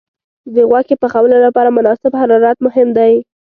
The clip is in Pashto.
د غوښې پخولو لپاره مناسب حرارت مهم دی.